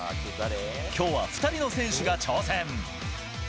今日は２人の選手が挑戦。